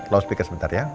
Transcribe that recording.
low speaker sebentar ya